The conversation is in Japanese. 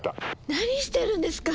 何してるんですか！